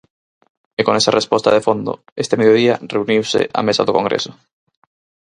E con esa resposta de fondo, este mediodía reuniuse a Mesa do Congreso.